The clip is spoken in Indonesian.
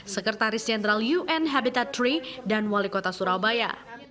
sekretaris jenderal un habitat tiga dan wali kota surabaya